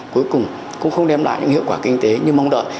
cuối cùng cũng không đem lại những hiệu quả kinh tế như mong đợi